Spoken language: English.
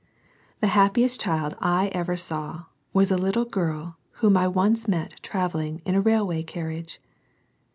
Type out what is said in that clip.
The happiest child I ever saw was a little girl whom I once met travelling in a railway carriage.